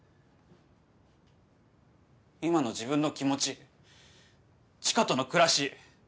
今の自分の気持ち知花との暮らし